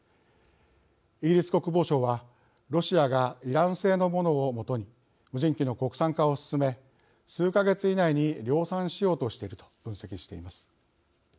イギリス国防省は、ロシアがイラン製のものをもとに無人機の国産化を進め数か月以内に量産しようとしていると分析しています。